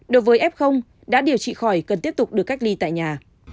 đối với f đã điều trị khỏi cần tiếp tục được cách ly tại nhà